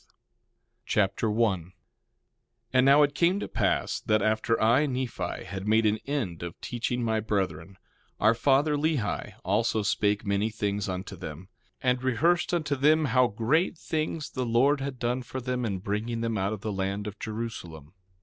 2 Nephi Chapter 1 1:1 And now it came to pass that after I, Nephi, had made an end of teaching my brethren, our father, Lehi, also spake many things unto them, and rehearsed unto them, how great things the Lord had done for them in bringing them out of the land of Jerusalem.